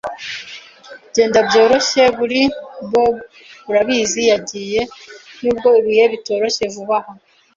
Genda byoroshye kuri Bob Urabizi, yagiye nubwo ibihe bitoroshye vuba aha